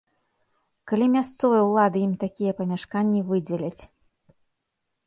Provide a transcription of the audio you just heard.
Калі мясцовыя ўлады ім такія памяшканні выдзяляць.